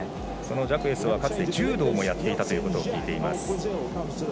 ジャクエスはかつて柔道もやっていたということを聞いています。